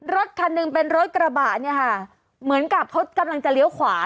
รถคันนึงเป็นรถกระบะเลยกลับเขากำลังจะเลี้ยวขวา